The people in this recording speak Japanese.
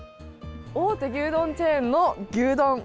大手牛丼チェーンの牛丼。